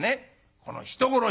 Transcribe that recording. この人殺し！」。